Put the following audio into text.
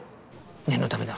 念のためだ。